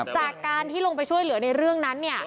จากการที่ลงไปช่วยเหลือในเรื่องนั้น